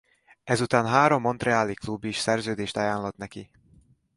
Ezután három montreali klub is szerződést ajánlott neki.